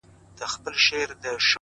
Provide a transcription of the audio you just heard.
د تجربې درس تر نصیحت ژور وي.!